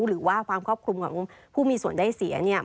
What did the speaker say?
หรือว่าความครอบคลุมของผู้มีส่วนได้เสีย